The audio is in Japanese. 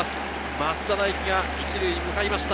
増田大輝が１塁へ向かいました。